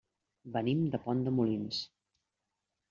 Venim de Pont de Molins.